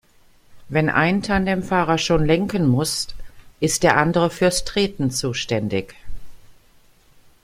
Wenn ein Tandemfahrer schon lenken muss, ist der andere fürs Treten zuständig.